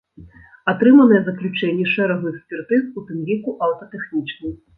Атрыманыя заключэнні шэрагу экспертыз, у тым ліку аўтатэхнічнай.